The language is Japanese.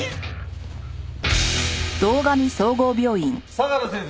相良先生。